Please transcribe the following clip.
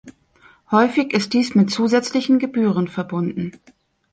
Häufig ist dies mit zusätzlichen Gebühren verbunden.